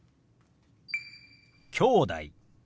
「きょうだい」。